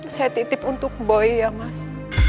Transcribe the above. saya titip untuk bayi ya mas